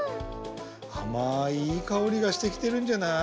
あまいいいかおりがしてきてるんじゃない？